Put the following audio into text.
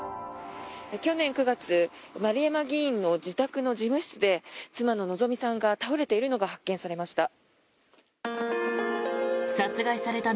去年９月丸山議員の自宅の事務室で妻の希美さんが倒れているのが発見されました。